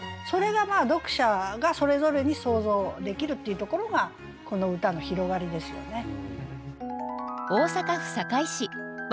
それが読者がそれぞれに想像できるっていうところがこの歌の広がりですよね。